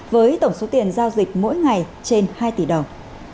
với tổng số tiền giao dịch mỗi ngày trên hai tỷ đồng